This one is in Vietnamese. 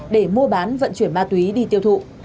để mua bán vận chuyển ma túy đi tiêu thụ